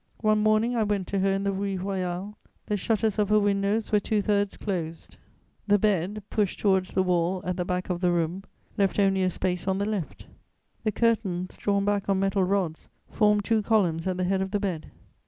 One morning, I went to her in the Rue Royale; the shutters of her windows were two thirds closed; the bed, pushed towards the wall at the back of the room, left only a space on the left; the curtains, drawn back on metal rods, formed two columns at the head of the bed.